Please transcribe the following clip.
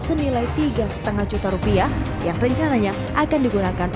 senilai tiga lima juta rupiah yang rencananya akan digunakan